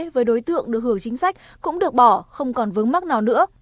với đối tượng được hưởng chính sách cũng được bỏ không còn vướng mắc nào nữa